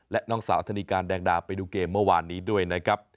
และน้องสาวธนีการแดงดาไปดูเกมเมื่อวานนี้ด้วยนะครับ